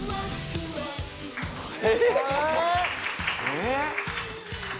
えっ？